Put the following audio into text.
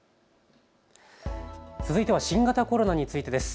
続いては新型コロナについてです。